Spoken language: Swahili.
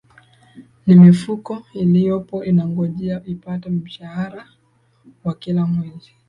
na mifuko iliyopo inangojea ipate mshahara wa kila mwezi